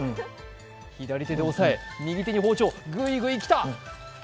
左手で押さえ、右手に包丁、グイグイきた。